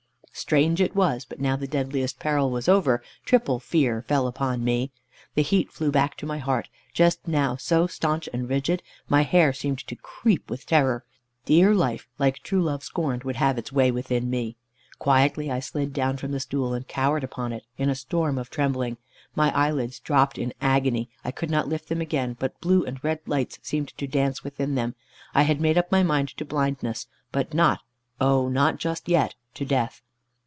Strange it was, but now the deadliest peril was over, triple fear fell upon me. The heat flew back to my heart, just now so stanch and rigid; my hair seemed to creep with terror. Dear life, like true love scorned, would have its way within me. Quietly I slid down from the stool, and cowered upon it, in a storm of trembling. My eyelids dropped in agony, I could not lift them again, but blue and red lights seemed to dance within them. I had made up my mind to blindness; but not, oh not just yet, to death.